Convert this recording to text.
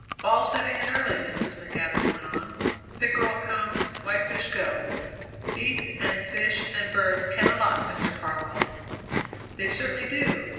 "Fall's setting in early," Mrs. McAdam went on; "pickerel come; whitefish go. Beasts and fish and birds ken a lot, Mr. Farwell." "They certainly do.